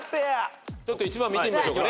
ちょっと１番見てみましょうかね。